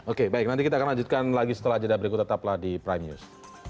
oke baik nanti kita akan lanjutkan lagi setelah jeda berikut tetaplah di prime news